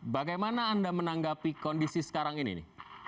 bagaimana anda menanggapi kondisi sekarang ini